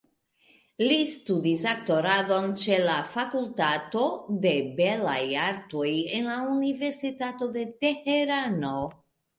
Li studis aktoradon ĉe la fakultato de belaj artoj en la Universitato de Teherano.